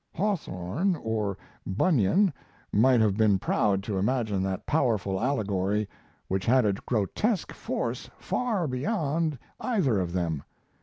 Hawthorne or Bunyan might have been proud to imagine that powerful allegory, which had a grotesque force far beyond either of them....